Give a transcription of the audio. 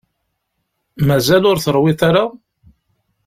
Mazal ur teṛwiḍ ara?